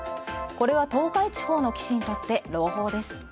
これは東海地方の棋士にとって朗報です。